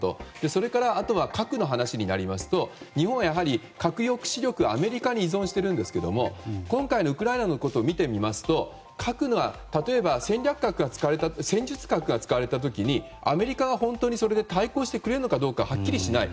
それから核の話になりますと日本はやはり核抑止力をアメリカに依存しているんですが今回のウクライナのことを見てみますと例えば戦術核が使われた時にアメリカが本当にそれで対抗してくれるのかどうかはっきりしない。